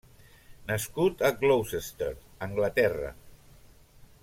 Nascut a Gloucester, Anglaterra.